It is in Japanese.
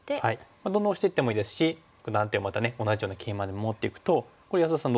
どんどんオシていってもいいですし断点をまた同じようなケイマで守っていくとこれ安田さん